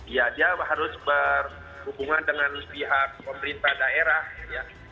ya dia harus berhubungan dengan pihak pemerintah daerah ya